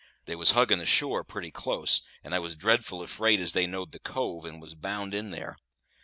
They was hugging the shore pretty close, and I was dreadful afraid as they knowed the cove, and was bound in there.